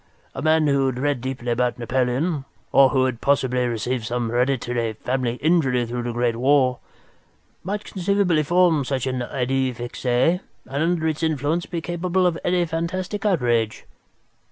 A man who had read deeply about Napoleon, or who had possibly received some hereditary family injury through the great war, might conceivably form such an idée fixe and under its influence be capable of any fantastic outrage."